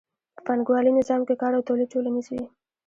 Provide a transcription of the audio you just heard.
په پانګوالي نظام کې کار او تولید ټولنیز وي